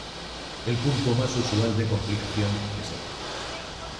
El punto más usual de complicación es el pie.